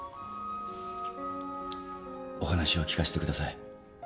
お話を聞かせてください。